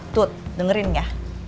tut dengerin ya